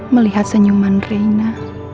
melihat senyuman reina